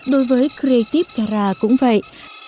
đối với creative dara cũng vậy